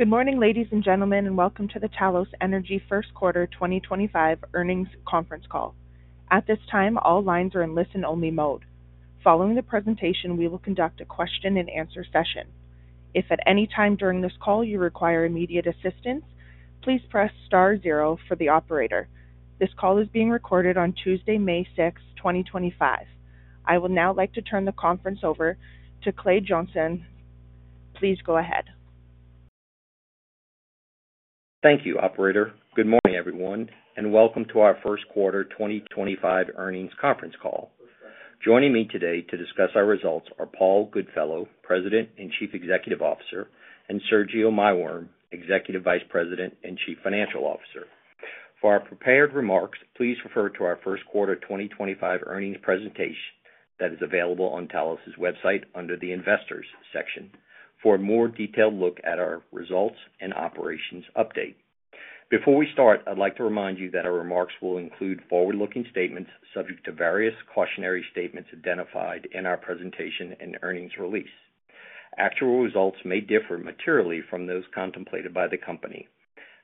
Good morning, ladies and gentlemen, and welcome to the Talos Energy First Quarter 2025 Earnings Conference Call. At this time, all lines are in listen-only mode. Following the presentation, we will conduct a question-and-answer session. If at any time during this call you require immediate assistance, please press star zero for the operator. This call is being recorded on Tuesday, May 6, 2025. I would now like to turn the conference over to Clay Jeansonne. Please go ahead. Thank you, Operator. Good morning, everyone, and welcome to our First Quarter 2025 Earnings Conference Call. Joining me today to discuss our results are Paul Goodfellow, President and Chief Executive Officer, and Sergio Maiworm, Executive Vice President and Chief Financial Officer. For our prepared remarks, please refer to our First Quarter 2025 Earnings Presentation that is available on Talos' website under the Investors section for a more detailed look at our results and operations update. Before we start, I'd like to remind you that our remarks will include forward-looking statements subject to various cautionary statements identified in our presentation and earnings release. Actual results may differ materially from those contemplated by the company.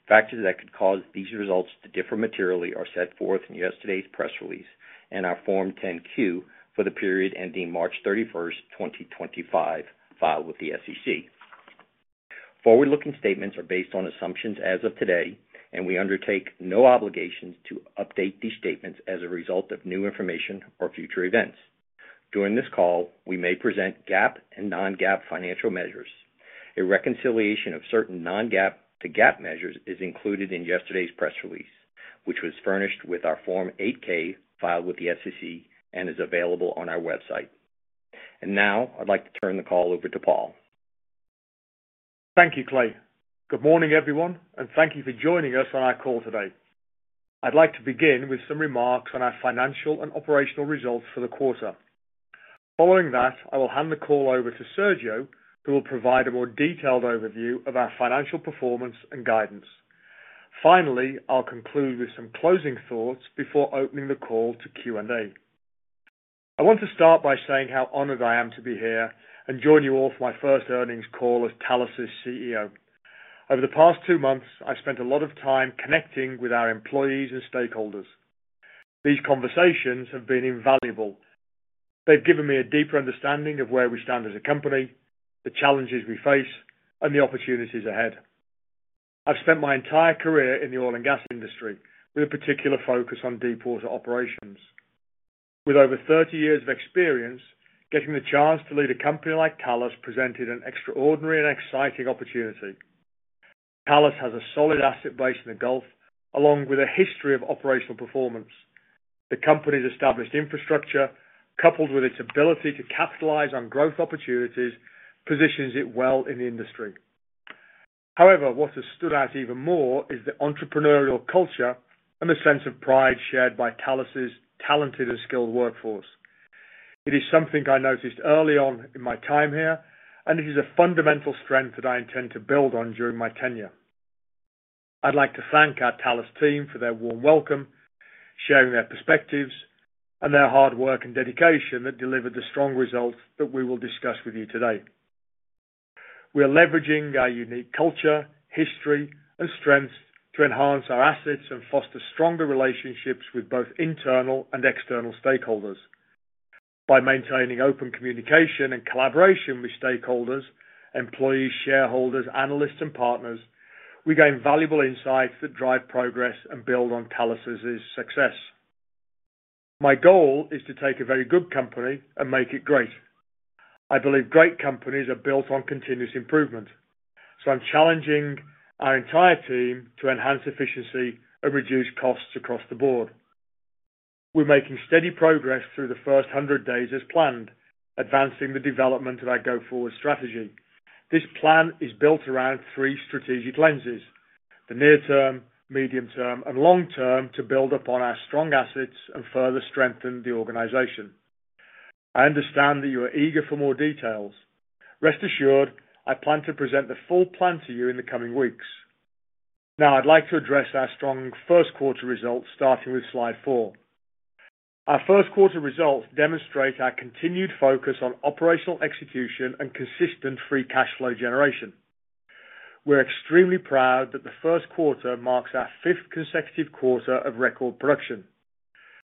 Factors that could cause these results to differ materially are set forth in yesterday's press release and our Form 10Q for the period ending March 31, 2025, filed with the SEC. Forward-looking statements are based on assumptions as of today, and we undertake no obligations to update these statements as a result of new information or future events. During this call, we may present GAAP and non-GAAP financial measures. A reconciliation of certain non-GAAP to GAAP measures is included in yesterday's press release, which was furnished with our Form 8-K filed with the SEC and is available on our website. I would like to turn the call over to Paul. Thank you, Clay. Good morning, everyone, and thank you for joining us on our call today. I'd like to begin with some remarks on our financial and operational results for the quarter. Following that, I will hand the call over to Sergio, who will provide a more detailed overview of our financial performance and guidance. Finally, I'll conclude with some closing thoughts before opening the call to Q&A. I want to start by saying how honored I am to be here and join you all for my first earnings call as Talos' CEO. Over the past two months, I've spent a lot of time connecting with our employees and stakeholders. These conversations have been invaluable. They've given me a deeper understanding of where we stand as a company, the challenges we face, and the opportunities ahead. I've spent my entire career in the oil and gas industry, with a particular focus on deepwater operations. With over 30 years of experience, getting the chance to lead a company like Talos presented an extraordinary and exciting opportunity. Talos has a solid asset base in the Gulf, along with a history of operational performance. The company's established infrastructure, coupled with its ability to capitalize on growth opportunities, positions it well in the industry. However, what has stood out even more is the entrepreneurial culture and the sense of pride shared by Talos' talented and skilled workforce. It is something I noticed early on in my time here, and it is a fundamental strength that I intend to build on during my tenure. I'd like to thank our Talos team for their warm welcome, sharing their perspectives, and their hard work and dedication that delivered the strong results that we will discuss with you today. We are leveraging our unique culture, history, and strengths to enhance our assets and foster stronger relationships with both internal and external stakeholders. By maintaining open communication and collaboration with stakeholders, employees, shareholders, analysts, and partners, we gain valuable insights that drive progress and build on Talos' success. My goal is to take a very good company and make it great. I believe great companies are built on continuous improvement, so I'm challenging our entire team to enhance efficiency and reduce costs across the board. We're making steady progress through the first 100 days as planned, advancing the development of our go-forward strategy. This plan is built around three strategic lenses: the near term, medium term, and long term to build upon our strong assets and further strengthen the organization. I understand that you are eager for more details. Rest assured, I plan to present the full plan to you in the coming weeks. Now, I'd like to address our strong first quarter results, starting with slide four. Our first quarter results demonstrate our continued focus on operational execution and consistent free cash flow generation. We're extremely proud that the first quarter marks our fifth consecutive quarter of record production.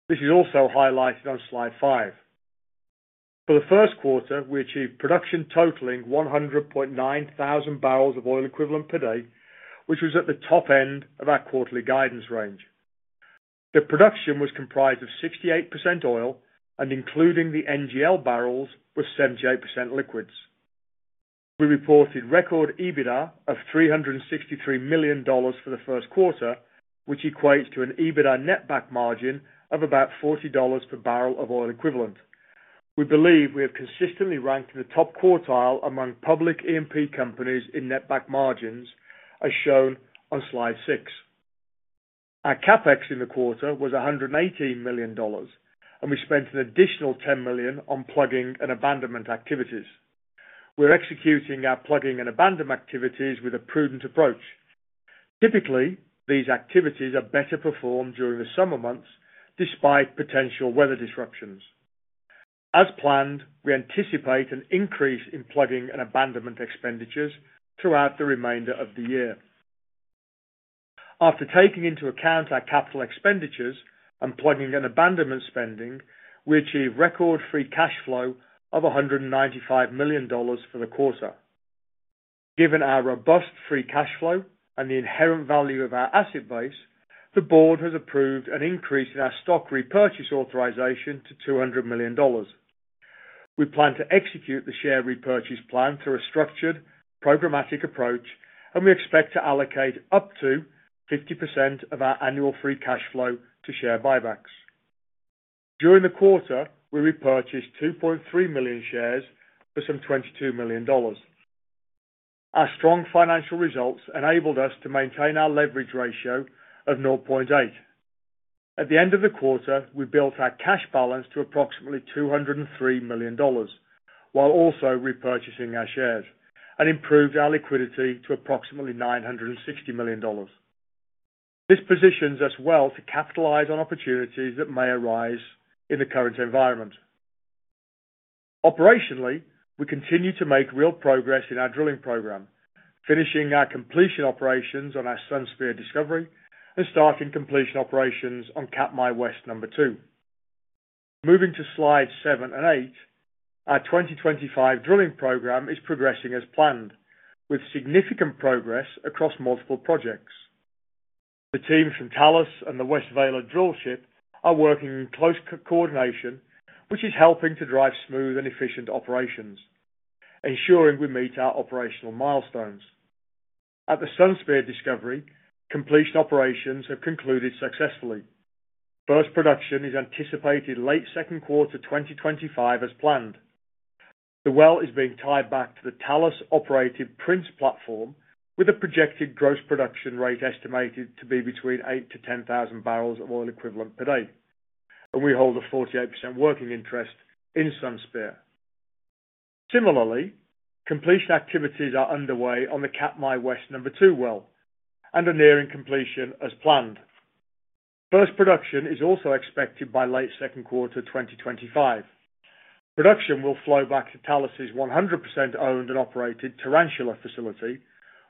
This is also highlighted on slide five. For the first quarter, we achieved production totaling 100.9 thousand barrels of oil equivalent per day, which was at the top end of our quarterly guidance range. The production was comprised of 68% oil, and including the NGL barrels, was 78% liquids. We reported record EBITDA of $363 million for the first quarter, which equates to an EBITDA net back margin of about $40 per barrel of oil equivalent. We believe we have consistently ranked in the top quartile among public E&P companies in net back margins, as shown on slide six. Our CapEx in the quarter was $118 million, and we spent an additional $10 million on plugging and abandonment activities. We're executing our plugging and abandonment activities with a prudent approach. Typically, these activities are better performed during the summer months, despite potential weather disruptions. As planned, we anticipate an increase in plugging and abandonment expenditures throughout the remainder of the year. After taking into account our capital expenditures and plugging and abandonment spending, we achieved record free cash flow of $195 million for the quarter. Given our robust free cash flow and the inherent value of our asset base, the board has approved an increase in our stock repurchase authorization to $200 million. We plan to execute the share repurchase plan through a structured, programmatic approach, and we expect to allocate up to 50% of our annual free cash flow to share buybacks. During the quarter, we repurchased 2.3 million shares for some $22 million. Our strong financial results enabled us to maintain our leverage ratio of 0.8. At the end of the quarter, we built our cash balance to approximately $203 million, while also repurchasing our shares, and improved our liquidity to approximately $960 million. This positions us well to capitalize on opportunities that may arise in the current environment. Operationally, we continue to make real progress in our drilling program, finishing our completion operations on our Sunsphere Discovery and starting completion operations on Katmai West #2. Moving to slides seven and eight, our 2025 drilling program is progressing as planned, with significant progress across multiple projects. The team from Talos and the West Vaylor Drill Ship are working in close coordination, which is helping to drive smooth and efficient operations, ensuring we meet our operational milestones. At the Sunsphere Discovery, completion operations have concluded successfully. First production is anticipated late second quarter 2025 as planned. The well is being tied back to the Talos-operated Prince platform, with a projected gross production rate estimated to be between 8-10 thousand barrels of oil equivalent per day, and we hold a 48% working interest in Sunsphere. Similarly, completion activities are underway on the Katmai West Number Two well and are nearing completion as planned. First production is also expected by late second quarter 2025. Production will flow back to Talos' 100% owned and operated Tarantula facility,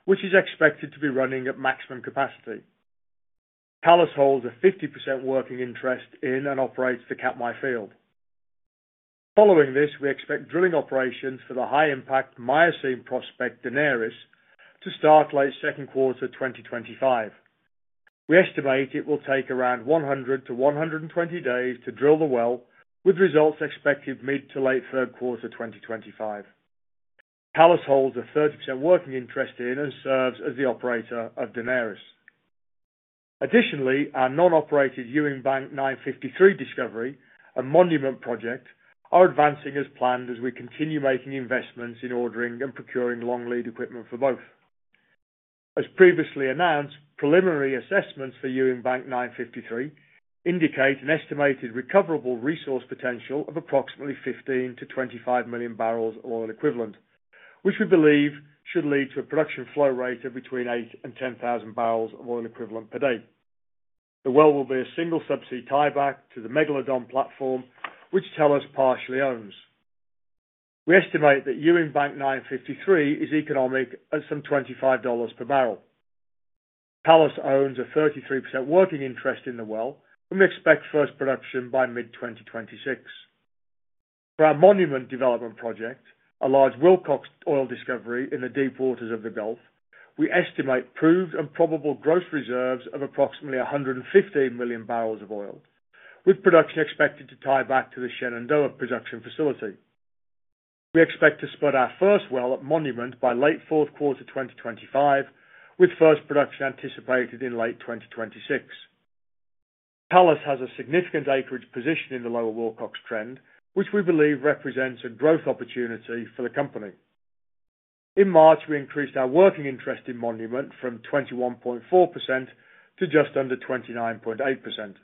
which is expected to be running at maximum capacity. Talos holds a 50% working interest in and operates the Katmai field. Following this, we expect drilling operations for the high-impact Miocene Prospect Daenerys to start late second quarter 2025. We estimate it will take around 100-120 days to drill the well, with results expected mid to late third quarter 2025. Talos holds a 30% working interest in and serves as the operator of Daenerys. Additionally, our non-operated Ewing Bank 953 Discovery, a Monument project, is advancing as planned as we continue making investments in ordering and procuring long lead equipment for both. As previously announced, preliminary assessments for Ewing Bank 953 indicate an estimated recoverable resource potential of approximately 15-25 million barrels of oil equivalent, which we believe should lead to a production flow rate of between 8 and 10 thousand barrels of oil equivalent per day. The well will be a single subsea tieback to the Megalodon platform, which Talos partially owns. We estimate that Ewing Bank 953 is economic at some $25 per barrel. Talos owns a 33% working interest in the well, and we expect first production by mid-2026. For our Monument development project, a large Wilcox oil discovery in the deep waters of the Gulf, we estimate proved and probable gross reserves of approximately 115 million barrels of oil, with production expected to tie back to the Shenandoah production facility. We expect to split our first well at Monument by late fourth quarter 2025, with first production anticipated in late 2026. Talos has a significant acreage position in the lower Wilcox trend, which we believe represents a growth opportunity for the company. In March, we increased our working interest in Monument from 21.4% to just under 29.8%.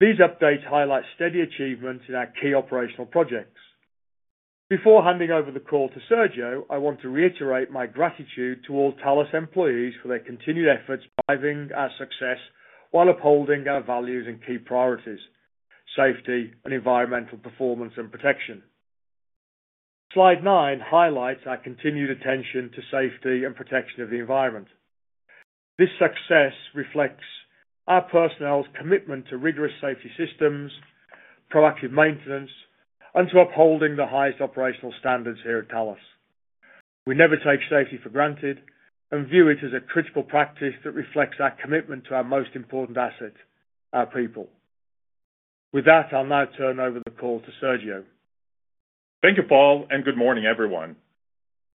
These updates highlight steady achievements in our key operational projects. Before handing over the call to Sergio, I want to reiterate my gratitude to all Talos employees for their continued efforts driving our success while upholding our values and key priorities: safety and environmental performance and protection. Slide nine highlights our continued attention to safety and protection of the environment. This success reflects our personnel's commitment to rigorous safety systems, proactive maintenance, and to upholding the highest operational standards here at Talos. We never take safety for granted and view it as a critical practice that reflects our commitment to our most important asset, our people. With that, I'll now turn over the call to Sergio. Thank you, Paul, and good morning, everyone.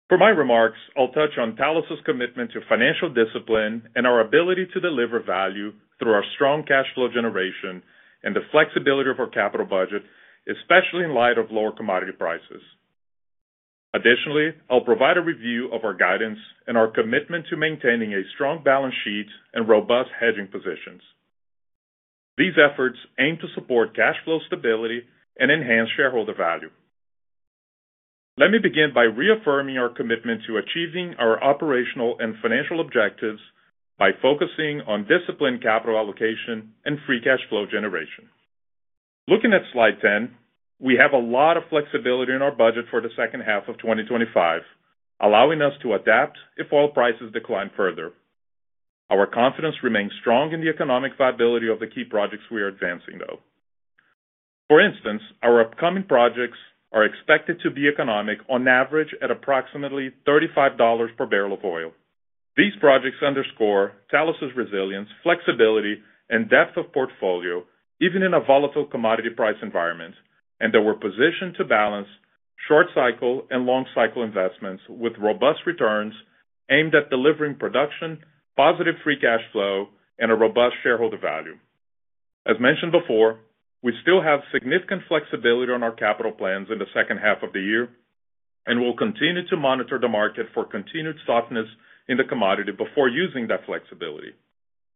For my remarks, I'll touch on Talos' commitment to financial discipline and our ability to deliver value through our strong cash flow generation and the flexibility of our capital budget, especially in light of lower commodity prices. Additionally, I'll provide a review of our guidance and our commitment to maintaining a strong balance sheet and robust hedging positions. These efforts aim to support cash flow stability and enhance shareholder value. Let me begin by reaffirming our commitment to achieving our operational and financial objectives by focusing on disciplined capital allocation and free cash flow generation. Looking at slide ten, we have a lot of flexibility in our budget for the second half of 2025, allowing us to adapt if oil prices decline further. Our confidence remains strong in the economic viability of the key projects we are advancing, though. For instance, our upcoming projects are expected to be economic on average at approximately $35 per barrel of oil. These projects underscore Talos' resilience, flexibility, and depth of portfolio even in a volatile commodity price environment, and that we're positioned to balance short-cycle and long-cycle investments with robust returns aimed at delivering production, positive free cash flow, and a robust shareholder value. As mentioned before, we still have significant flexibility on our capital plans in the second half of the year, and we'll continue to monitor the market for continued softness in the commodity before using that flexibility.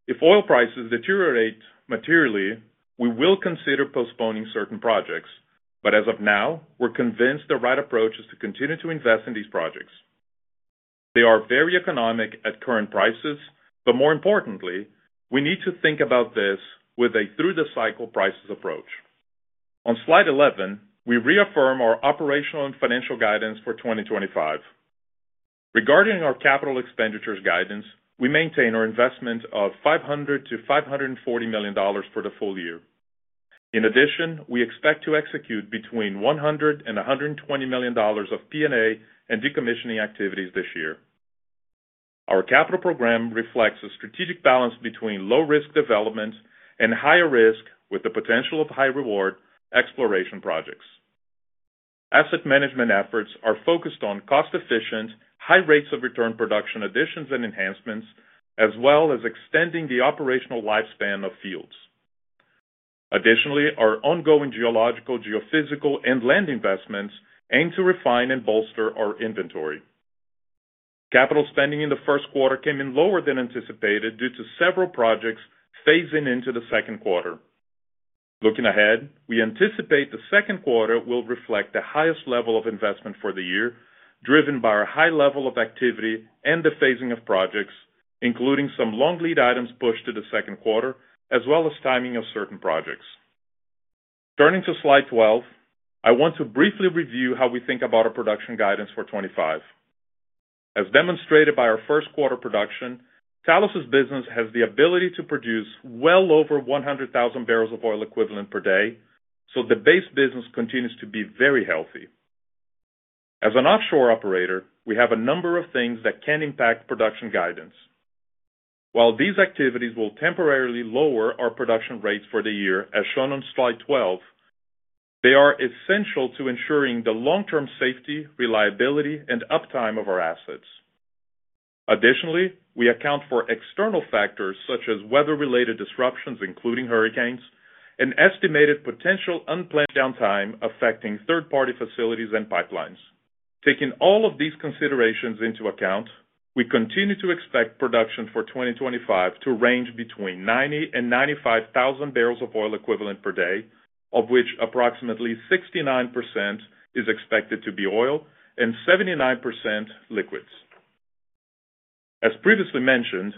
If oil prices deteriorate materially, we will consider postponing certain projects, but as of now, we're convinced the right approach is to continue to invest in these projects. They are very economic at current prices, but more importantly, we need to think about this with a through-the-cycle prices approach. On slide eleven, we reaffirm our operational and financial guidance for 2025. Regarding our capital expenditures guidance, we maintain our investment of $500-$540 million for the full year. In addition, we expect to execute between $100-$120 million of P&A and decommissioning activities this year. Our capital program reflects a strategic balance between low-risk development and higher risk with the potential of high-reward exploration projects. Asset management efforts are focused on cost-efficient, high rates of return production additions and enhancements, as well as extending the operational lifespan of fields. Additionally, our ongoing geological, geophysical, and land investments aim to refine and bolster our inventory. Capital spending in the first quarter came in lower than anticipated due to several projects phasing into the second quarter. Looking ahead, we anticipate the second quarter will reflect the highest level of investment for the year, driven by our high level of activity and the phasing of projects, including some long lead items pushed to the second quarter, as well as timing of certain projects. Turning to slide twelve, I want to briefly review how we think about our production guidance for 2025. As demonstrated by our first quarter production, Talos' business has the ability to produce well over 100,000 barrels of oil equivalent per day, so the base business continues to be very healthy. As an offshore operator, we have a number of things that can impact production guidance. While these activities will temporarily lower our production rates for the year, as shown on slide twelve, they are essential to ensuring the long-term safety, reliability, and uptime of our assets. Additionally, we account for external factors such as weather-related disruptions, including hurricanes, and estimated potential unplanned downtime affecting third-party facilities and pipelines. Taking all of these considerations into account, we continue to expect production for 2025 to range between 90-95 thousand barrels of oil equivalent per day, of which approximately 69% is expected to be oil and 79% liquids. As previously mentioned,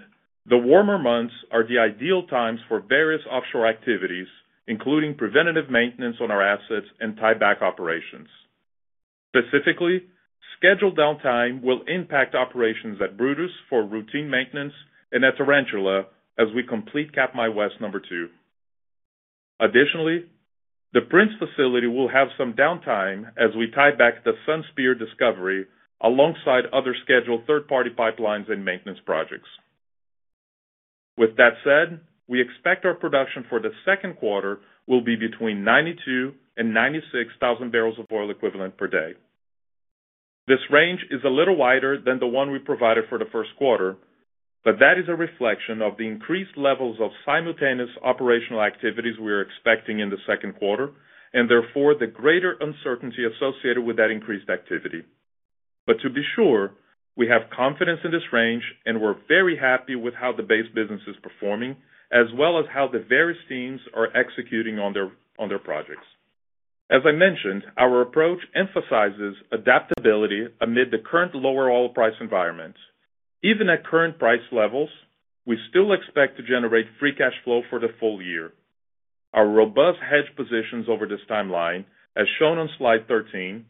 the warmer months are the ideal times for various offshore activities, including preventative maintenance on our assets and tieback operations. Specifically, scheduled downtime will impact operations at Brutus for routine maintenance and at Tarantula as we complete Katmai West #2. Additionally, the Prince facility will have some downtime as we tie back the Sunsphere Discovery alongside other scheduled third-party pipelines and maintenance projects. With that said, we expect our production for the second quarter will be between 92 and 96 thousand barrels of oil equivalent per day. This range is a little wider than the one we provided for the first quarter, but that is a reflection of the increased levels of simultaneous operational activities we are expecting in the second quarter and therefore the greater uncertainty associated with that increased activity. To be sure, we have confidence in this range and we're very happy with how the base business is performing, as well as how the various teams are executing on their projects. As I mentioned, our approach emphasizes adaptability amid the current lower oil price environment. Even at current price levels, we still expect to generate free cash flow for the full year. Our robust hedge positions over this timeline, as shown on slide thirteen,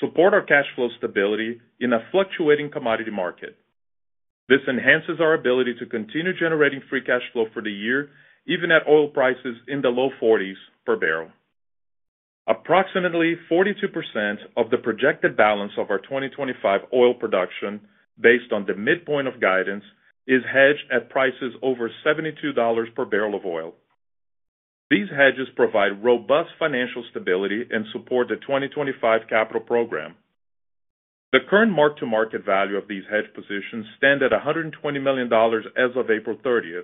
support our cash flow stability in a fluctuating commodity market. This enhances our ability to continue generating free cash flow for the year, even at oil prices in the low forties per barrel. Approximately 42% of the projected balance of our 2025 oil production, based on the midpoint of guidance, is hedged at prices over $72 per barrel of oil. These hedges provide robust financial stability and support the 2025 capital program. The current mark-to-market value of these hedge positions stands at $120 million as of April 30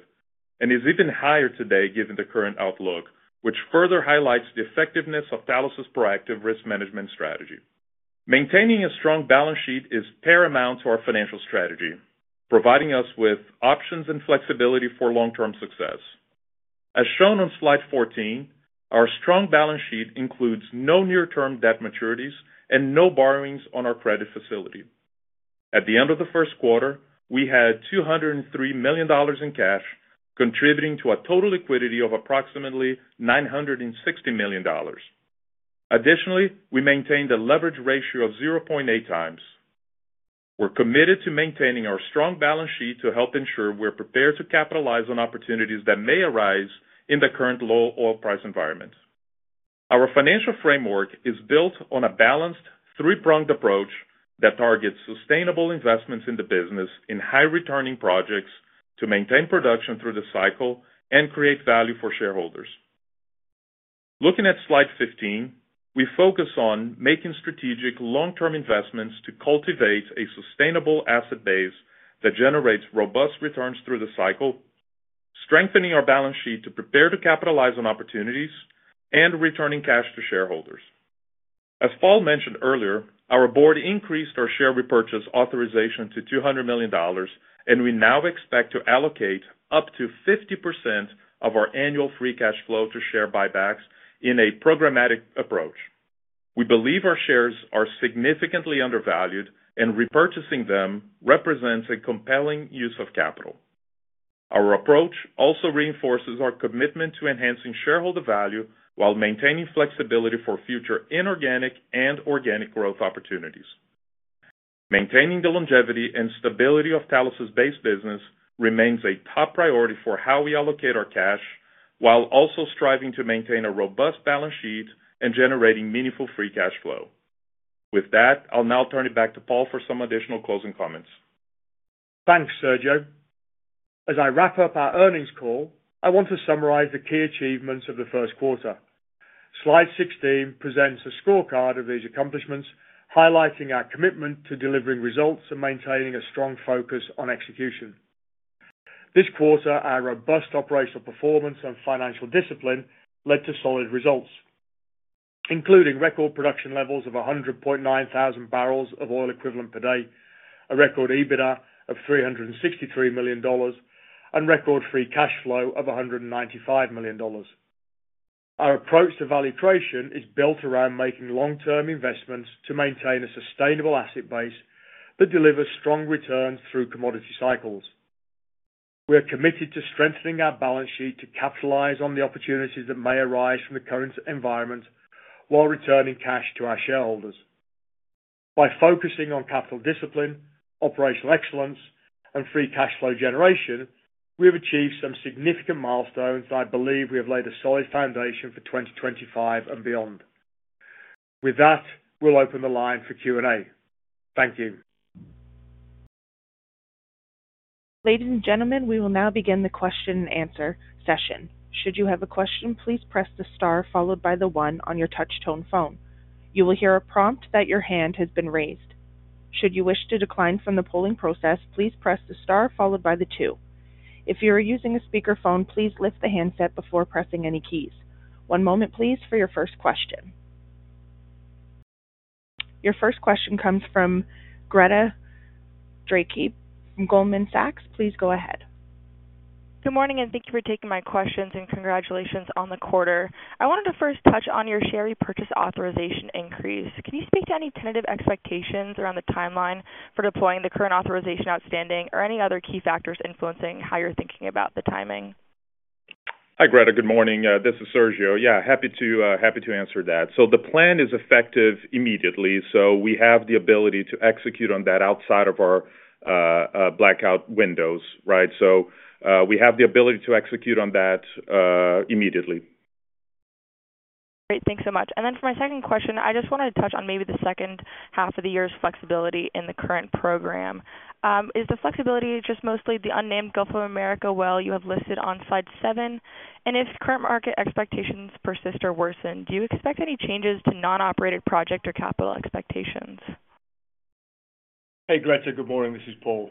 and is even higher today given the current outlook, which further highlights the effectiveness of Talos' proactive risk management strategy. Maintaining a strong balance sheet is paramount to our financial strategy, providing us with options and flexibility for long-term success. As shown on slide fourteen, our strong balance sheet includes no near-term debt maturities and no borrowings on our credit facility. At the end of the first quarter, we had $203 million in cash, contributing to a total liquidity of approximately $960 million. Additionally, we maintained a leverage ratio of 0.8 times. We're committed to maintaining our strong balance sheet to help ensure we're prepared to capitalize on opportunities that may arise in the current low oil price environment. Our financial framework is built on a balanced, three-pronged approach that targets sustainable investments in the business in high-returning projects to maintain production through the cycle and create value for shareholders. Looking at slide fifteen, we focus on making strategic long-term investments to cultivate a sustainable asset base that generates robust returns through the cycle, strengthening our balance sheet to prepare to capitalize on opportunities, and returning cash to shareholders. As Paul mentioned earlier, our board increased our share repurchase authorization to $200 million, and we now expect to allocate up to 50% of our annual free cash flow to share buybacks in a programmatic approach. We believe our shares are significantly undervalued, and repurchasing them represents a compelling use of capital. Our approach also reinforces our commitment to enhancing shareholder value while maintaining flexibility for future inorganic and organic growth opportunities. Maintaining the longevity and stability of Talos' base business remains a top priority for how we allocate our cash, while also striving to maintain a robust balance sheet and generating meaningful free cash flow. With that, I'll now turn it back to Paul for some additional closing comments. Thanks, Sergio. As I wrap up our earnings call, I want to summarize the key achievements of the first quarter. Slide sixteen presents a scorecard of these accomplishments, highlighting our commitment to delivering results and maintaining a strong focus on execution. This quarter, our robust operational performance and financial discipline led to solid results, including record production levels of 100.9 thousand barrels of oil equivalent per day, a record EBITDA of $363 million, and record free cash flow of $195 million. Our approach to value creation is built around making long-term investments to maintain a sustainable asset base that delivers strong returns through commodity cycles. We are committed to strengthening our balance sheet to capitalize on the opportunities that may arise from the current environment while returning cash to our shareholders. By focusing on capital discipline, operational excellence, and free cash flow generation, we have achieved some significant milestones that I believe we have laid a solid foundation for 2025 and beyond. With that, we'll open the line for Q&A. Thank you. Ladies and gentlemen, we will now begin the question and answer session. Should you have a question, please press the star followed by the one on your touch-tone phone. You will hear a prompt that your hand has been raised. Should you wish to decline from the polling process, please press the star followed by the two. If you are using a speakerphone, please lift the handset before pressing any keys. One moment, please, for your first question. Your first question comes from Greta Drefke from Goldman Sachs. Please go ahead. Good morning, and thank you for taking my questions and congratulations on the quarter. I wanted to first touch on your share repurchase authorization increase. Can you speak to any tentative expectations around the timeline for deploying the current authorization outstanding or any other key factors influencing how you're thinking about the timing? Hi, Greta. Good morning. This is Sergio. Yeah, happy to answer that. The plan is effective immediately, so we have the ability to execute on that outside of our blackout windows, right? We have the ability to execute on that immediately. Great. Thanks so much. For my second question, I just wanted to touch on maybe the second half of the year's flexibility in the current program. Is the flexibility just mostly the unnamed Gulf of Mexico well you have listed on slide seven? If current market expectations persist or worsen, do you expect any changes to non-operated project or capital expectations? Hey, Greta. Good morning. This is Paul.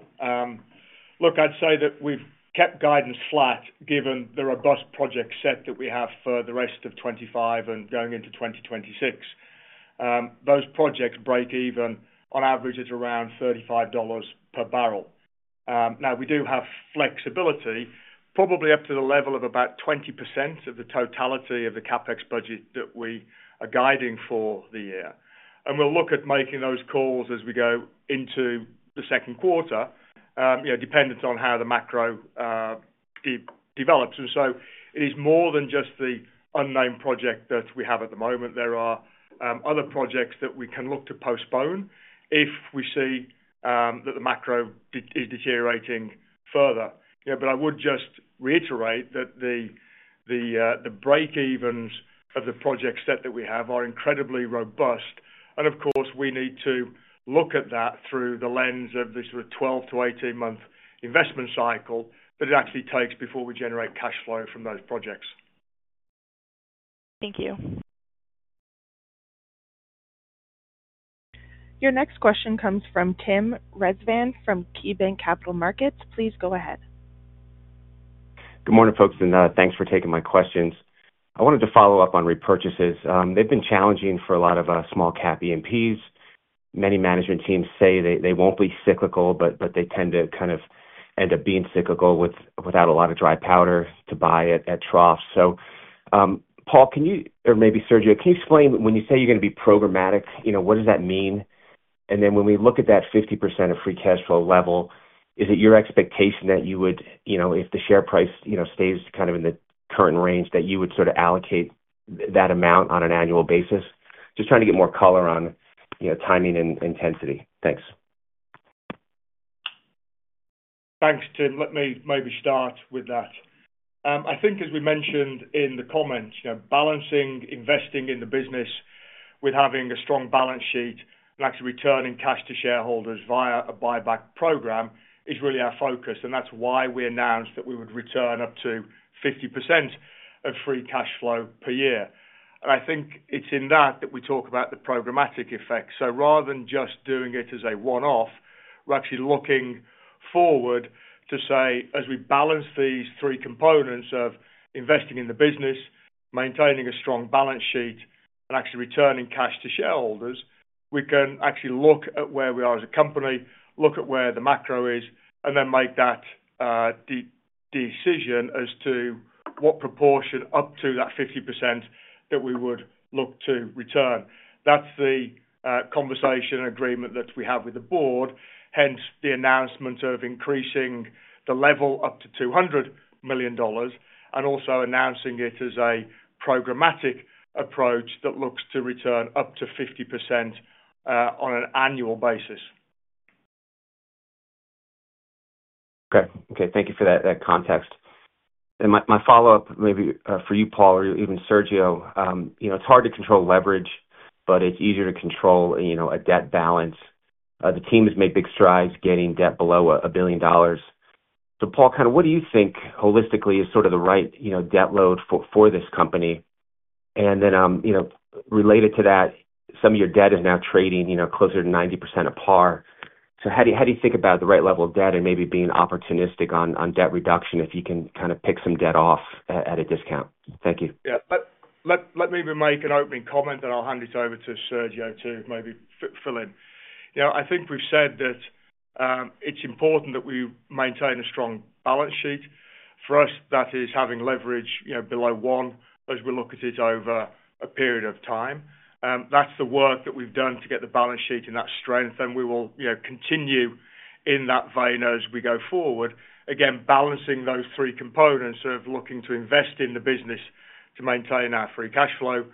Look, I'd say that we've kept guidance flat given the robust project set that we have for the rest of 2025 and going into 2026. Those projects break even on average at around $35 per barrel. Now, we do have flexibility, probably up to the level of about 20% of the totality of the CapEx budget that we are guiding for the year. We'll look at making those calls as we go into the second quarter, dependent on how the macro develops. It is more than just the unnamed project that we have at the moment. There are other projects that we can look to postpone if we see that the macro is deteriorating further. I would just reiterate that the break-evens of the project set that we have are incredibly robust. Of course, we need to look at that through the lens of this sort of 12-18 month investment cycle that it actually takes before we generate cash flow from those projects. Thank you. Your next question comes from Tim Rezvan from KeyBank Capital Markets. Please go ahead. Good morning, folks, and thanks for taking my questions. I wanted to follow up on repurchases. They've been challenging for a lot of small-cap E&Ps. Many management teams say they won't be cyclical, but they tend to kind of end up being cyclical without a lot of dry powder to buy at troughs. Paul, can you, or maybe Sergio, can you explain when you say you're going to be programmatic, what does that mean? When we look at that 50% of free cash flow level, is it your expectation that you would, if the share price stays kind of in the current range, that you would sort of allocate that amount on an annual basis? Just trying to get more color on timing and intensity. Thanks. Thanks, Tim. Let me maybe start with that. I think, as we mentioned in the comments, balancing investing in the business with having a strong balance sheet and actually returning cash to shareholders via a buyback program is really our focus. That is why we announced that we would return up to 50% of free cash flow per year. I think it is in that that we talk about the programmatic effect. Rather than just doing it as a one-off, we are actually looking forward to say, as we balance these three components of investing in the business, maintaining a strong balance sheet, and actually returning cash to shareholders, we can actually look at where we are as a company, look at where the macro is, and then make that decision as to what proportion up to that 50% that we would look to return. That's the conversation and agreement that we have with the board, hence the announcement of increasing the level up to $200 million and also announcing it as a programmatic approach that looks to return up to 50% on an annual basis. Okay. Okay. Thank you for that context. My follow-up maybe for you, Paul, or even Sergio. It's hard to control leverage, but it's easier to control a debt balance. The team has made big strides getting debt below $1 billion. Paul, kind of what do you think holistically is sort of the right debt load for this company? Related to that, some of your debt is now trading closer to 90% of par. How do you think about the right level of debt and maybe being opportunistic on debt reduction if you can kind of pick some debt off at a discount? Thank you. Yeah. Let me make an opening comment, and I'll hand this over to Sergio to maybe fill in. I think we've said that it's important that we maintain a strong balance sheet. For us, that is having leverage below one as we look at it over a period of time. That's the work that we've done to get the balance sheet in that strength. We will continue in that vein as we go forward, again, balancing those three components of looking to invest in the business to maintain our free cash flow,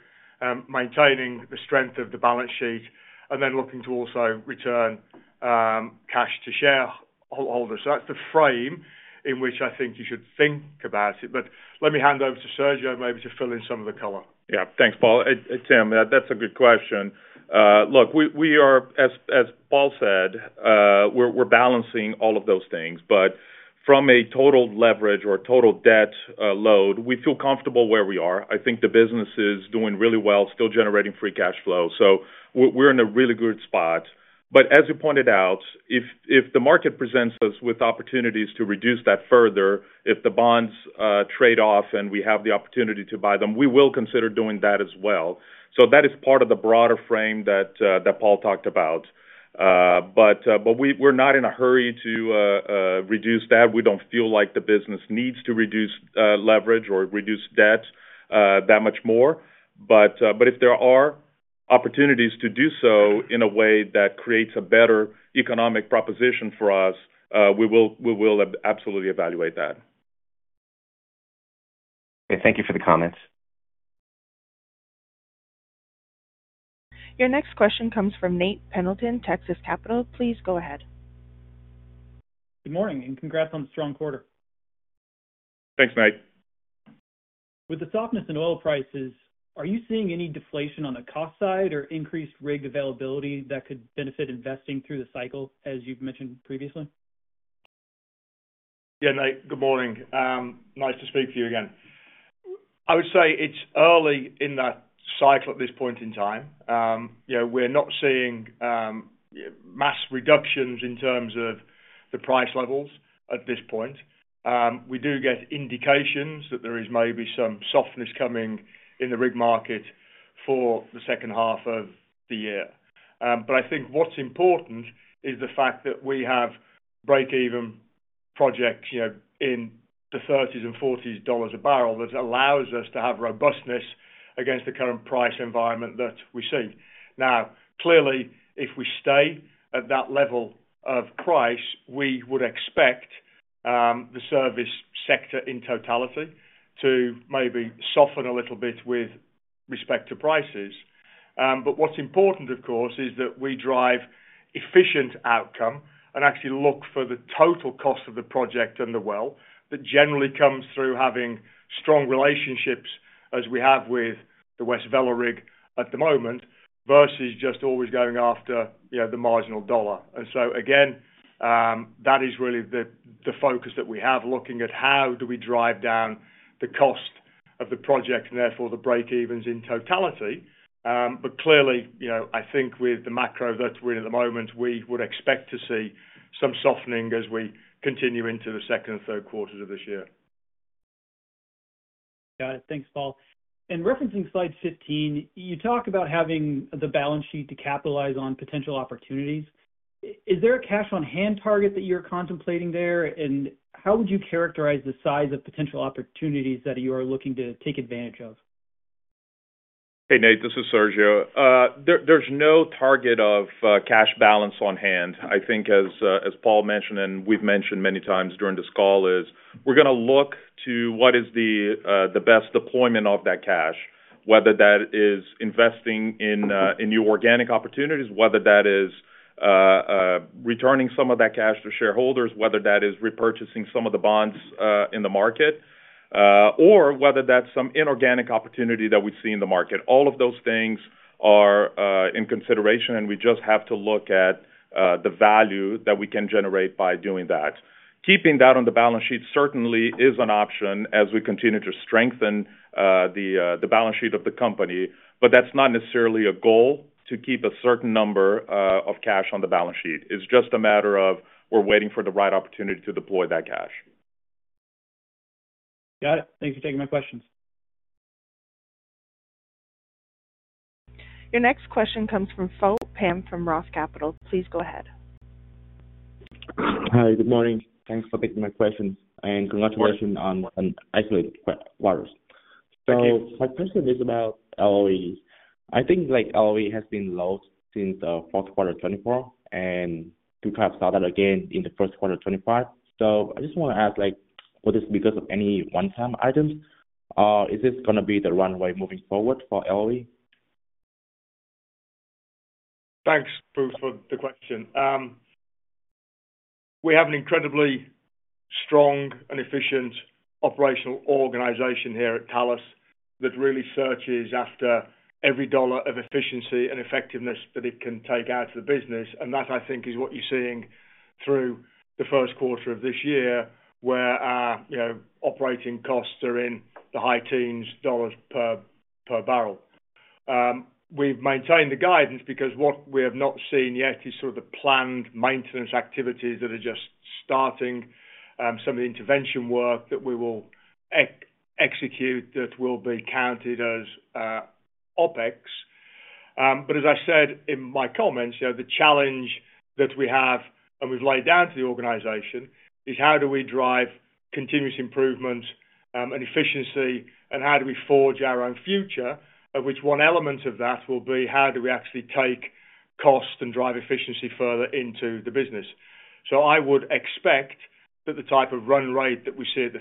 maintaining the strength of the balance sheet, and then looking to also return cash to shareholders. That's the frame in which I think you should think about it. Let me hand over to Sergio maybe to fill in some of the color. Yeah. Thanks, Paul. Tim, that's a good question. Look, as Paul said, we're balancing all of those things. From a total leverage or total debt load, we feel comfortable where we are. I think the business is doing really well, still generating free cash flow. We're in a really good spot. As you pointed out, if the market presents us with opportunities to reduce that further, if the bonds trade off and we have the opportunity to buy them, we will consider doing that as well. That is part of the broader frame that Paul talked about. We're not in a hurry to reduce that. We don't feel like the business needs to reduce leverage or reduce debt that much more. If there are opportunities to do so in a way that creates a better economic proposition for us, we will absolutely evaluate that. Okay. Thank you for the comments. Your next question comes from Nate Pendleton, Texas Capital. Please go ahead. Good morning and congrats on the strong quarter. Thanks, Nate. With the softness in oil prices, are you seeing any deflation on the cost side or increased rig availability that could benefit investing through the cycle, as you've mentioned previously? Yeah, Nate. Good morning. Nice to speak to you again. I would say it's early in that cycle at this point in time. We're not seeing mass reductions in terms of the price levels at this point. We do get indications that there is maybe some softness coming in the rig market for the second half of the year. I think what's important is the fact that we have break-even projects in the $30s and $40s a barrel that allows us to have robustness against the current price environment that we see. Now, clearly, if we stay at that level of price, we would expect the service sector in totality to maybe soften a little bit with respect to prices. What is important, of course, is that we drive efficient outcome and actually look for the total cost of the project and the well. That generally comes through having strong relationships as we have with the West Vela rig at the moment versus just always going after the marginal dollar. That is really the focus that we have, looking at how do we drive down the cost of the project and therefore the break-evens in totality. Clearly, I think with the macro that we're in at the moment, we would expect to see some softening as we continue into the second and third quarters of this year. Got it. Thanks, Paul. Referencing slide 15, you talk about having the balance sheet to capitalize on potential opportunities. Is there a cash-on-hand target that you're contemplating there? How would you characterize the size of potential opportunities that you are looking to take advantage of? Hey, Nate. This is Sergio. There's no target of cash balance on hand. I think, as Paul mentioned and we've mentioned many times during this call, is we're going to look to what is the best deployment of that cash, whether that is investing in new organic opportunities, whether that is returning some of that cash to shareholders, whether that is repurchasing some of the bonds in the market, or whether that's some inorganic opportunity that we see in the market. All of those things are in consideration, and we just have to look at the value that we can generate by doing that. Keeping that on the balance sheet certainly is an option as we continue to strengthen the balance sheet of the company. That's not necessarily a goal to keep a certain number of cash on the balance sheet. It's just a matter of we're waiting for the right opportunity to deploy that cash. Got it. Thanks for taking my questions. Your next question comes from Phu Pham from ROTH Capital. Please go ahead. Hi. Good morning. Thanks for taking my questions. Congratulations on an isolated virus. My question is about LOEs. I think LOE has been low since the fourth quarter of 2024, and we kind of saw that again in the first quarter of 2025. I just want to ask, was this because of any one-time items? Is this going to be the runway moving forward for LOE? Thanks, Phu, for the question. We have an incredibly strong and efficient operational organization here at Talos that really searches after every dollar of efficiency and effectiveness that it can take out of the business. That, I think, is what you're seeing through the first quarter of this year where our operating costs are in the high teens dollars per barrel. We've maintained the guidance because what we have not seen yet is sort of the planned maintenance activities that are just starting, some of the intervention work that we will execute that will be counted as OPEX. As I said in my comments, the challenge that we have and we've laid down to the organization is how do we drive continuous improvement and efficiency, and how do we forge our own future, of which one element of that will be how do we actually take cost and drive efficiency further into the business. I would expect that the type of run rate that we see at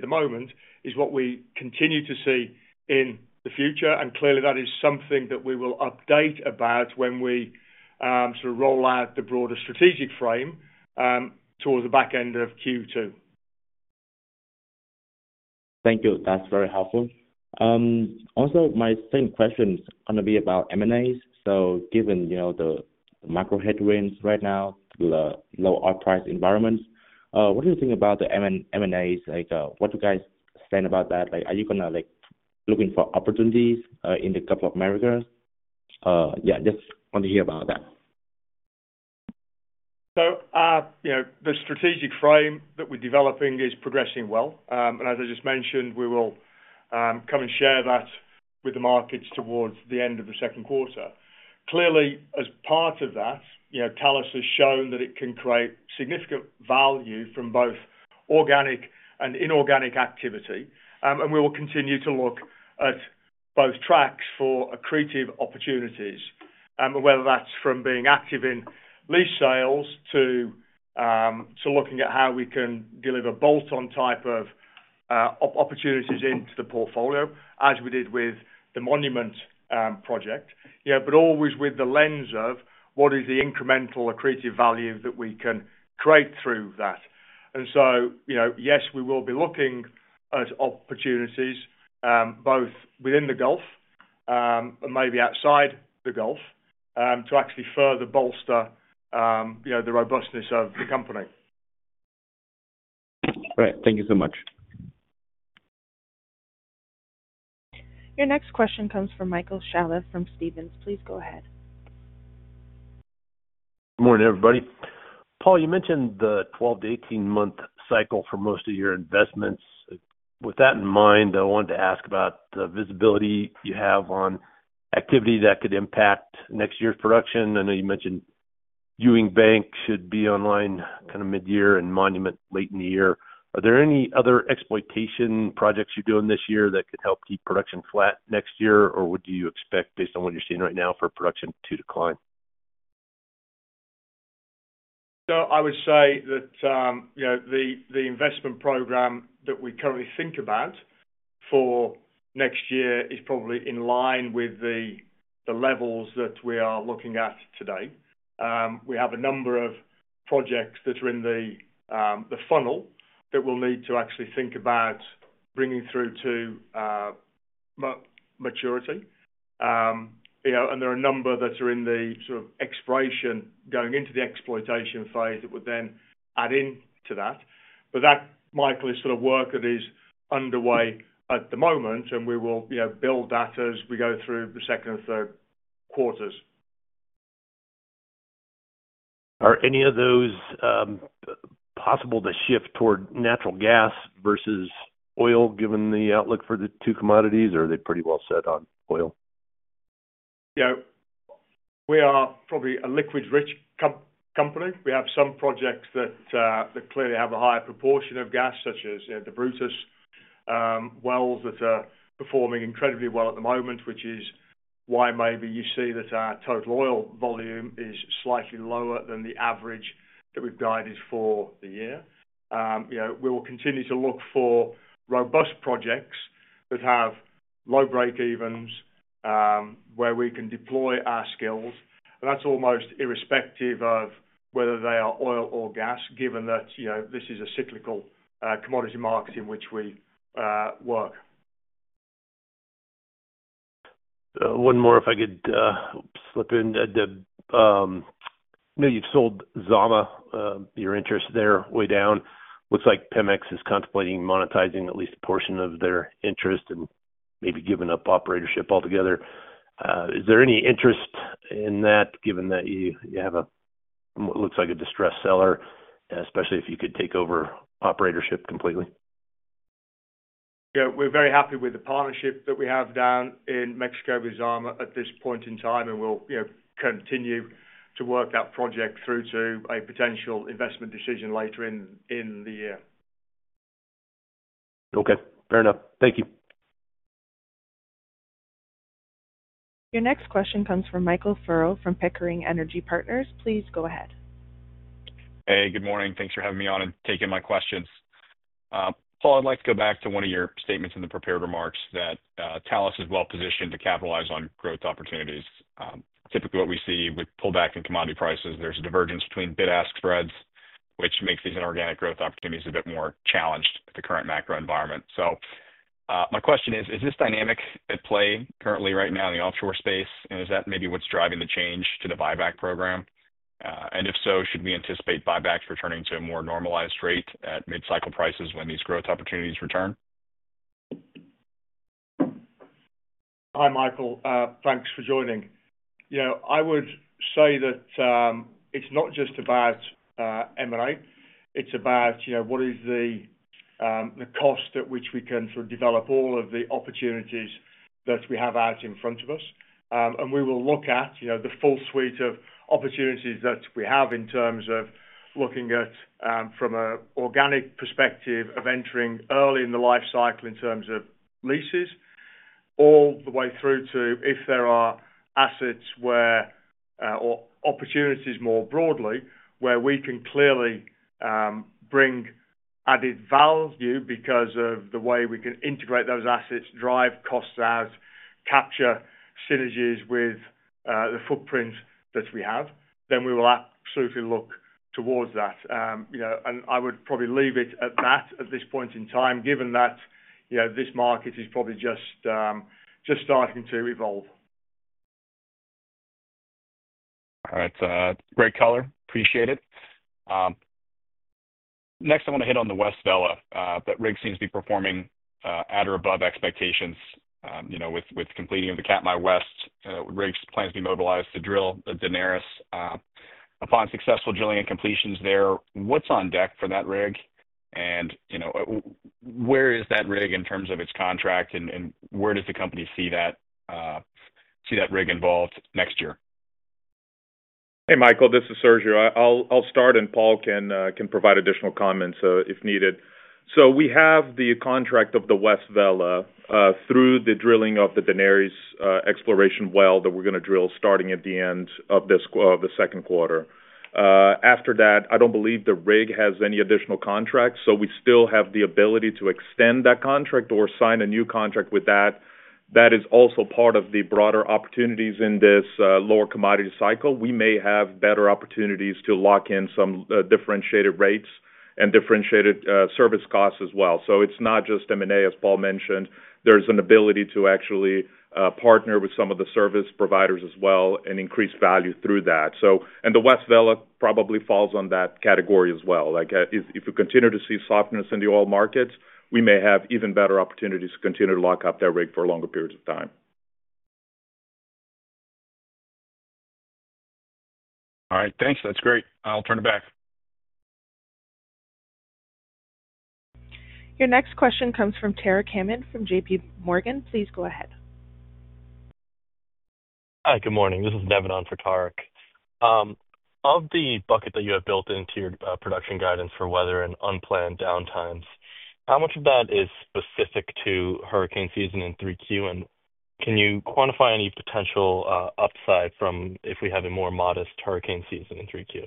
the moment is what we continue to see in the future. Clearly, that is something that we will update about when we sort of roll out the broader strategic frame towards the back end of Q2. Thank you. That's very helpful. Also, my second question is going to be about M&As. Given the macro headwinds right now with a low oil price environment, what do you think about the M&As? Where do you guys stand about that? Are you going to be looking for opportunities in the couple of Americas? Yeah, just want to hear about that. The strategic frame that we're developing is progressing well. As I just mentioned, we will come and share that with the markets towards the end of the second quarter. Clearly, as part of that, Talos has shown that it can create significant value from both organic and inorganic activity. We will continue to look at both tracks for accretive opportunities, whether that's from being active in lease sales to looking at how we can deliver bolt-on type of opportunities into the portfolio as we did with the Monument project, but always with the lens of what is the incremental accretive value that we can create through that. Yes, we will be looking at opportunities both within the Gulf and maybe outside the Gulf to actually further bolster the robustness of the company. All right. Thank you so much. Your next question comes from Michael Scialla from Stephens. Please go ahead. Good morning, everybody. Paul, you mentioned the 12-18 month cycle for most of your investments. With that in mind, I wanted to ask about the visibility you have on activity that could impact next year's production. I know you mentioned Ewing Bank should be online kind of mid-year and Monument late in the year. Are there any other exploitation projects you're doing this year that could help keep production flat next year, or would you expect, based on what you're seeing right now, for production to decline? I would say that the investment program that we currently think about for next year is probably in line with the levels that we are looking at today. We have a number of projects that are in the funnel that we'll need to actually think about bringing through to maturity. There are a number that are in the sort of exploration going into the exploitation phase that would then add into that. That, Michael, is sort of work that is underway at the moment, and we will build that as we go through the second and third quarters. Are any of those possible to shift toward natural gas versus oil given the outlook for the two commodities, or are they pretty well set on oil? Yeah. We are probably a liquid-rich company. We have some projects that clearly have a higher proportion of gas, such as the Brutus wells that are performing incredibly well at the moment, which is why maybe you see that our total oil volume is slightly lower than the average that we've guided for the year. We will continue to look for robust projects that have low break-evens where we can deploy our skills. And that's almost irrespective of whether they are oil or gas, given that this is a cyclical commodity market in which we work. One more, if I could slip in. I know you've sold Zama. Your interest there way down. Looks like Pemex is contemplating monetizing at least a portion of their interest and maybe giving up operatorship altogether. Is there any interest in that, given that you have what looks like a distressed seller, especially if you could take over operatorship completely? Yeah. We're very happy with the partnership that we have down in Mexico with Zama at this point in time, and we'll continue to work that project through to a potential investment decision later in the year. Okay. Fair enough. Thank you. Your next question comes from Michael Ferro from Pickering Energy Partners. Please go ahead. Hey, good morning. Thanks for having me on and taking my questions. Paul, I'd like to go back to one of your statements in the prepared remarks that Talos is well positioned to capitalize on growth opportunities. Typically, what we see with pullback in commodity prices, there's a divergence between bid-ask spreads, which makes these inorganic growth opportunities a bit more challenged at the current macro environment. My question is, is this dynamic at play currently right now in the offshore space, and is that maybe what's driving the change to the buyback program? If so, should we anticipate buybacks returning to a more normalized rate at mid-cycle prices when these growth opportunities return? Hi, Michael. Thanks for joining. I would say that it's not just about M&A. It's about what is the cost at which we can sort of develop all of the opportunities that we have out in front of us. We will look at the full suite of opportunities that we have in terms of looking at from an organic perspective of entering early in the life cycle in terms of leases, all the way through to if there are assets or opportunities more broadly where we can clearly bring added value because of the way we can integrate those assets, drive costs out, capture synergies with the footprint that we have, then we will absolutely look towards that. I would probably leave it at that at this point in time, given that this market is probably just starting to evolve. All right. Great color. Appreciate it. Next, I want to hit on the West Vela. That rig seems to be performing at or above expectations with completing of the Katmai West. The rig plans to be mobilized to drill at Daenerys. Upon successful drilling and completions there, what's on deck for that rig? Where is that rig in terms of its contract, and where does the company see that rig involved next year? Hey, Michael. This is Sergio. I'll start, and Paul can provide additional comments if needed. We have the contract of the West Vela through the drilling of the Daenerys exploration well that we're going to drill starting at the end of the second quarter. After that, I don't believe the rig has any additional contracts. We still have the ability to extend that contract or sign a new contract with that. That is also part of the broader opportunities in this lower commodity cycle. We may have better opportunities to lock in some differentiated rates and differentiated service costs as well. It's not just M&A, as Paul mentioned. There's an ability to actually partner with some of the service providers as well and increase value through that. The West Vela probably falls in that category as well. If we continue to see softness in the oil markets, we may have even better opportunities to continue to lock up that rig for longer periods of time. All right. Thanks. That's great. I'll turn it back. Your next question comes from [Taric Cammon from JPMorgan. Please go ahead. Hi. Good morning. This is Nevin on for Taric. Of the bucket that you have built into your production guidance for weather and unplanned downtimes, how much of that is specific to hurricane season in 3Q? Can you quantify any potential upside from if we have a more modest hurricane season in 3Q?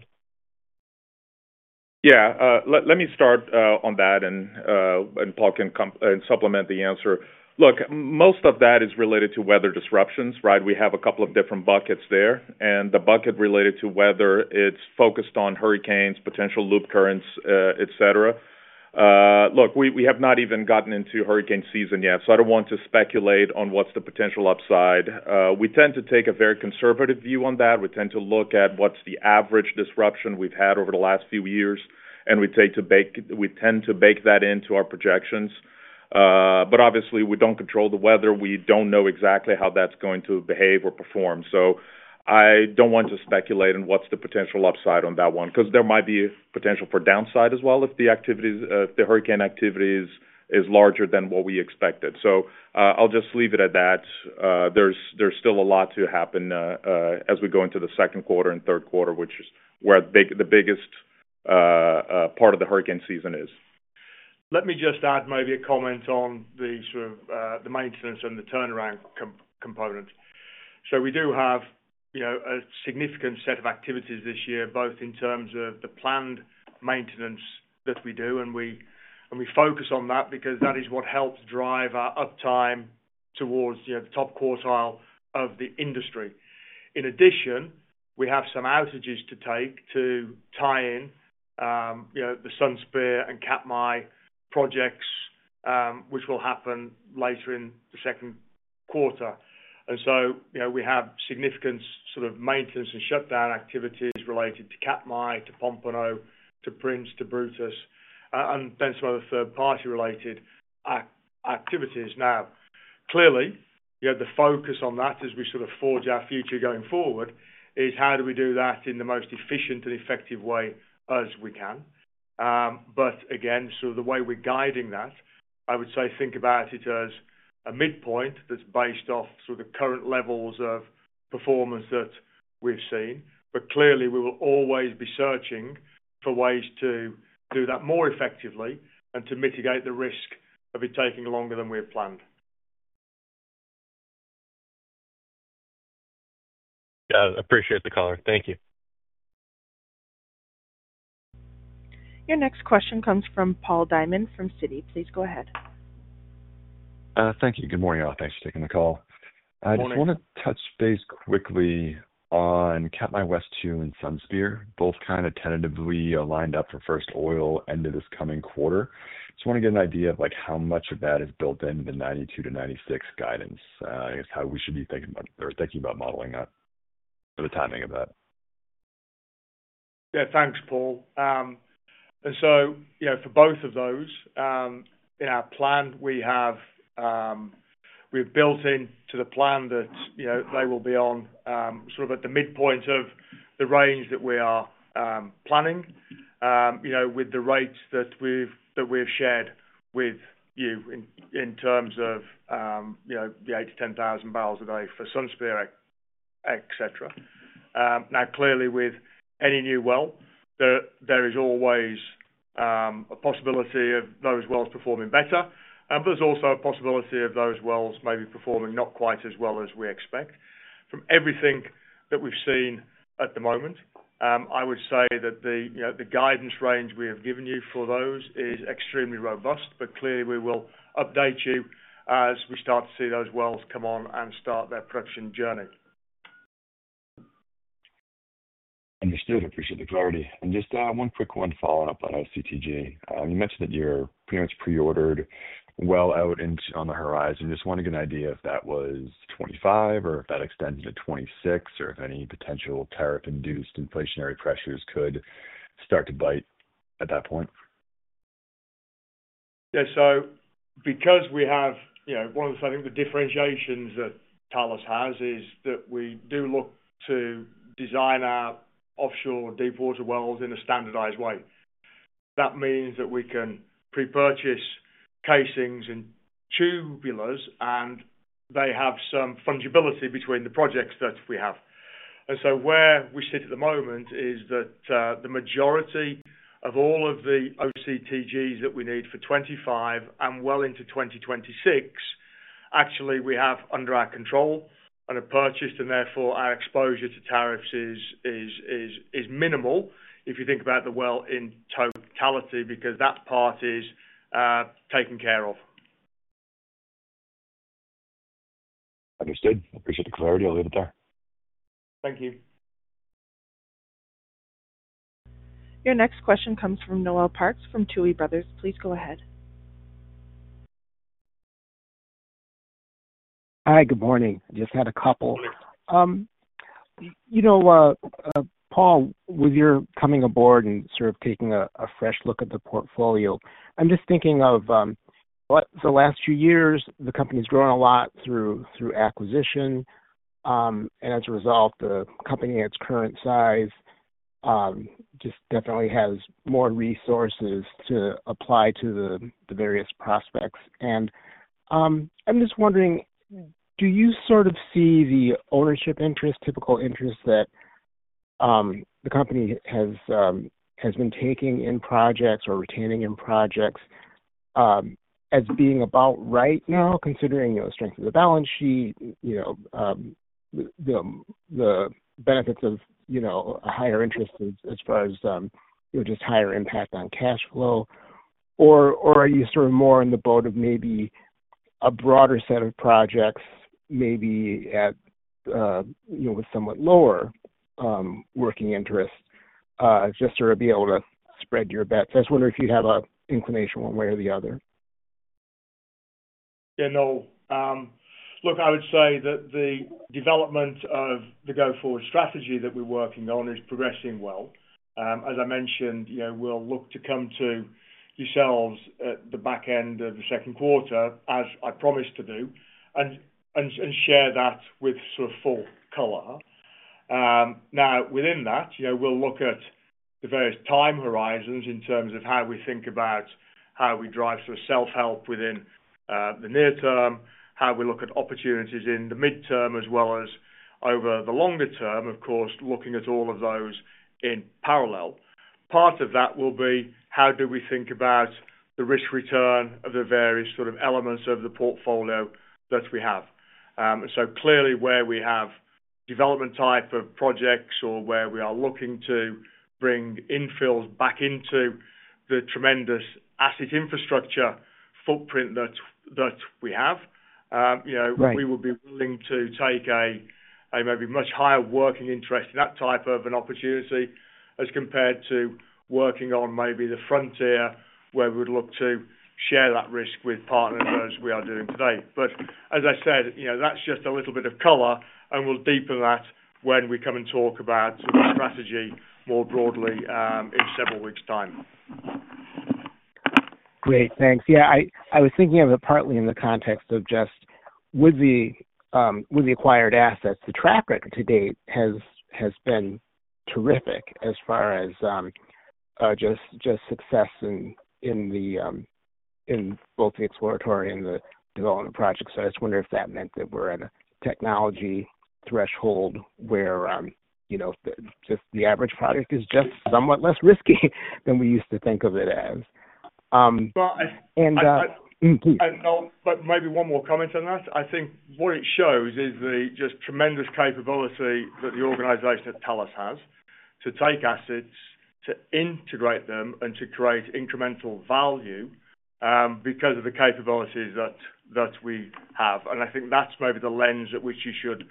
Yeah. Let me start on that, and Paul can supplement the answer. Look, most of that is related to weather disruptions, right? We have a couple of different buckets there. The bucket related to weather, it's focused on hurricanes, potential loop currents, etc. Look, we have not even gotten into hurricane season yet, so I do not want to speculate on what's the potential upside. We tend to take a very conservative view on that. We tend to look at what's the average disruption we've had over the last few years, and we tend to bake that into our projections. Obviously, we do not control the weather. We do not know exactly how that's going to behave or perform. I don't want to speculate on what's the potential upside on that one because there might be potential for downside as well if the hurricane activity is larger than what we expected. I'll just leave it at that. There's still a lot to happen as we go into the second quarter and third quarter, which is where the biggest part of the hurricane season is. Let me just add maybe a comment on the sort of maintenance and the turnaround component. We do have a significant set of activities this year, both in terms of the planned maintenance that we do, and we focus on that because that is what helps drive our uptime towards the top quartile of the industry. In addition, we have some outages to take to tie in the Sunsphere and Katmai projects, which will happen later in the second quarter. We have significant sort of maintenance and shutdown activities related to Katmai, to Pompano, to Prince, to Brutus, and then some other third-party-related activities. Now, clearly, the focus on that as we sort of forge our future going forward is how do we do that in the most efficient and effective way as we can. Again, sort of the way we're guiding that, I would say think about it as a midpoint that's based off sort of the current levels of performance that we've seen. Clearly, we will always be searching for ways to do that more effectively and to mitigate the risk of it taking longer than we have planned. Yeah. I appreciate the color. Thank you. Your next question comes from Paul Diamond from Citi. Please go ahead. Thank you. Good morning, all. Thanks for taking the call. Just want to touch base quickly on Katmai West #2 and Sunsphere, both kind of tentatively lined up for first oil end of this coming quarter. Just want to get an idea of how much of that is built into the 92-96 guidance, how we should be thinking about or thinking about modeling that for the timing of that. Yeah. Thanks, Paul. For both of those, in our plan, we have built into the plan that they will be on sort of at the midpoint of the range that we are planning with the rates that we've shared with you in terms of the 8-10 thousand barrels a day for Sunspear, etc. Now, clearly, with any new well, there is always a possibility of those wells performing better, but there's also a possibility of those wells maybe performing not quite as well as we expect. From everything that we've seen at the moment, I would say that the guidance range we have given you for those is extremely robust, but clearly, we will update you as we start to see those wells come on and start their production journey. Understood. Appreciate the clarity. Just one quick one following up on OCTG. You mentioned that you're pretty much pre-ordered well out on the horizon. Just want to get an idea if that was 2025 or if that extended to 2026 or if any potential tariff-induced inflationary pressures could start to bite at that point. Yeah. Because we have one of the, I think, the differentiations that Talos has is that we do look to design our offshore deepwater wells in a standardized way. That means that we can pre-purchase casings and tubulars, and they have some fungibility between the projects that we have. Where we sit at the moment is that the majority of all of the OCTGs that we need for 2025 and well into 2026, actually, we have under our control and have purchased, and therefore, our exposure to tariffs is minimal if you think about the well in totality because that part is taken care of. Understood. Appreciate the clarity. I'll leave it there. Thank you. Your next question comes from Noel Parks from Tuohy Brothers. Please go ahead. Hi. Good morning. Just had a couple. Paul, with your coming aboard and sort of taking a fresh look at the portfolio, I'm just thinking of the last few years, the company's grown a lot through acquisition. As a result, the company at its current size just definitely has more resources to apply to the various prospects. I'm just wondering, do you sort of see the ownership interest, typical interest that the company has been taking in projects or retaining in projects as being about right now, considering the strength of the balance sheet, the benefits of a higher interest as far as just higher impact on cash flow? Or are you sort of more in the boat of maybe a broader set of projects, maybe with somewhat lower working interest just to be able to spread your bets? I just wonder if you have an inclination one way or the other. Yeah. No. Look, I would say that the development of the go-forward strategy that we're working on is progressing well. As I mentioned, we'll look to come to yourselves at the back end of the second quarter, as I promised to do, and share that with sort of full color. Now, within that, we'll look at the various time horizons in terms of how we think about how we drive sort of self-help within the near term, how we look at opportunities in the midterm, as well as over the longer term, of course, looking at all of those in parallel. Part of that will be how do we think about the risk return of the various sort of elements of the portfolio that we have. Clearly, where we have development type of projects or where we are looking to bring infills back into the tremendous asset infrastructure footprint that we have, we would be willing to take a maybe much higher working interest in that type of an opportunity as compared to working on maybe the frontier where we would look to share that risk with partners as we are doing today. As I said, that's just a little bit of color, and we'll deepen that when we come and talk about sort of strategy more broadly in several weeks' time. Great. Thanks. Yeah. I was thinking of it partly in the context of just with the acquired assets, the track record to date has been terrific as far as just success in both the exploratory and the development projects. I just wonder if that meant that we're at a technology threshold where just the average product is just somewhat less risky than we used to think of it as. Maybe one more comment on that. I think what it shows is the just tremendous capability that the organization at Talos has to take assets, to integrate them, and to create incremental value because of the capabilities that we have. I think that's maybe the lens at which you should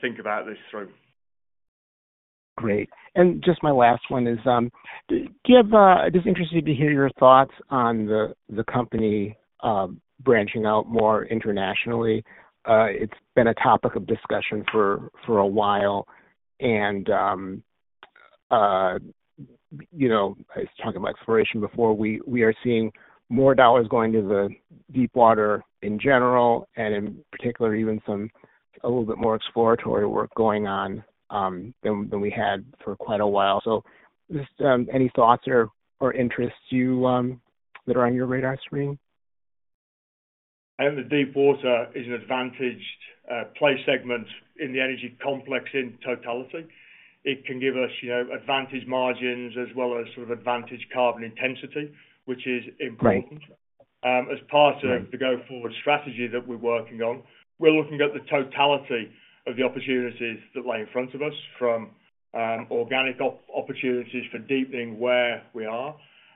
think about this through. Great. Just my last one is, I'd just be interested to hear your thoughts on the company branching out more internationally. It's been a topic of discussion for a while. I was talking about exploration before. We are seeing more dollars going to the deepwater in general and, in particular, even some a little bit more exploratory work going on than we had for quite a while. Just any thoughts or interests that are on your radar screen? The deepwater is an advantaged play segment in the energy complex in totality. It can give us advantaged margins as well as advantaged carbon intensity, which is important. As part of the go-forward strategy that we are working on, we are looking at the totality of the opportunities that lie in front of us from organic opportunities for deepening where we are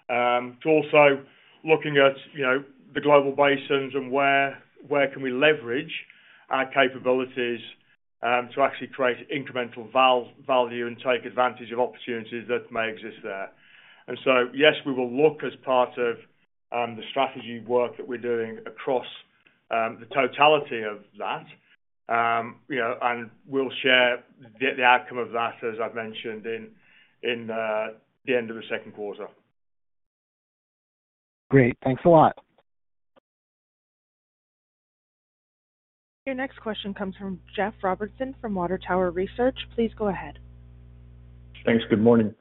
to also looking at the global basins and where we can leverage our capabilities to actually create incremental value and take advantage of opportunities that may exist there. Yes, we will look as part of the strategy work that we are doing across the totality of that. We will share the outcome of that, as I have mentioned, at the end of the second quarter. Great. Thanks a lot. Your next question comes from Jeff Robertson from Water Tower Research. Please go ahead. Thanks. Good morning.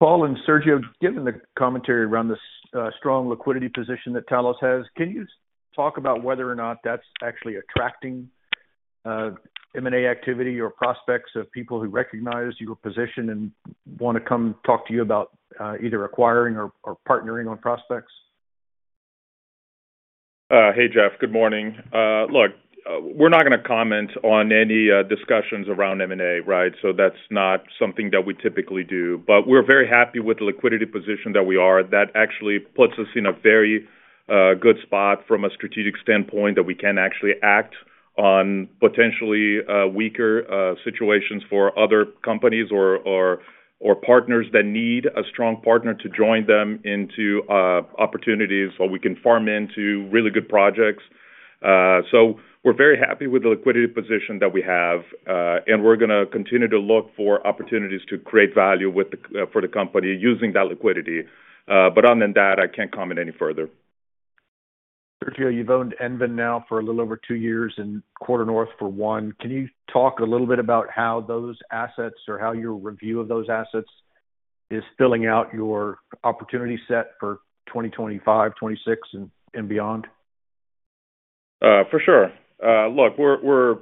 Paul and Sergio, given the commentary around the strong liquidity position that Talos has, can you talk about whether or not that's actually attracting M&A activity or prospects of people who recognize your position and want to come talk to you about either acquiring or partnering on prospects? Hey, Jeff. Good morning. Look, we're not going to comment on any discussions around M&A, right? That is not something that we typically do. We're very happy with the liquidity position that we are. That actually puts us in a very good spot from a strategic standpoint that we can actually act on potentially weaker situations for other companies or partners that need a strong partner to join them into opportunities or we can farm into really good projects. We're very happy with the liquidity position that we have, and we're going to continue to look for opportunities to create value for the company using that liquidity. Other than that, I can't comment any further. Sergio, you've owned EnVen now for a little over two years and Quarter North for one. Can you talk a little bit about how those assets or how your review of those assets is filling out your opportunity set for 2025, 2026, and beyond? For sure. Look, we're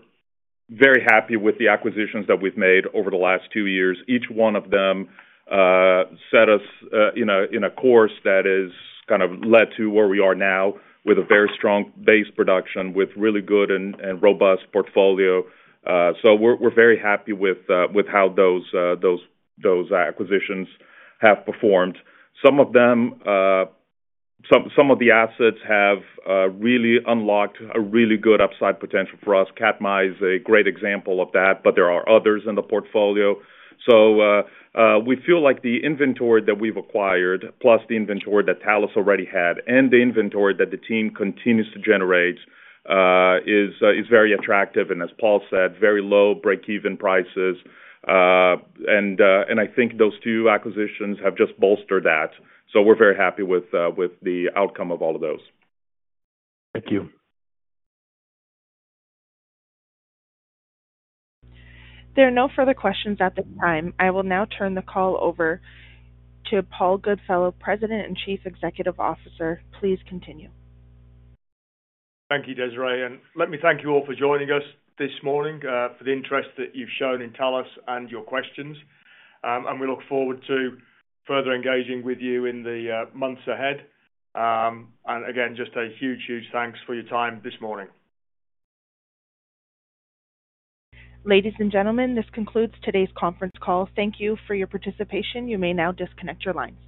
very happy with the acquisitions that we've made over the last two years. Each one of them set us in a course that has kind of led to where we are now with a very strong base production with really good and robust portfolio. We are very happy with how those acquisitions have performed. Some of the assets have really unlocked a really good upside potential for us. Katmai is a great example of that, but there are others in the portfolio. We feel like the inventory that we've acquired, plus the inventory that Talos already had, and the inventory that the team continues to generate is very attractive. As Paul said, very low break-even prices. I think those two acquisitions have just bolstered that. We are very happy with the outcome of all of those. Thank you. There are no further questions at this time. I will now turn the call over to Paul Goodfellow, President and Chief Executive Officer. Please continue. Thank you, Desiree. Let me thank you all for joining us this morning for the interest that you've shown in Talos and your questions. We look forward to further engaging with you in the months ahead. Again, just a huge, huge thanks for your time this morning. Ladies and gentlemen, this concludes today's conference call. Thank you for your participation. You may now disconnect your lines.